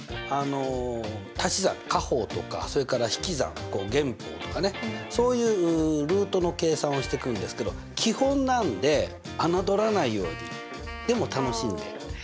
たし算加法とかそれから引き算減法とかねそういうルートの計算をしてくんですけど基本なんで侮らないようにでも楽しんでやりましょうね。